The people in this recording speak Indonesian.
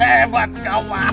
hebat kau bang